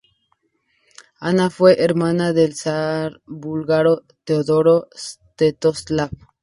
Ana fue hermana del zar búlgaro Teodoro Svetoslav.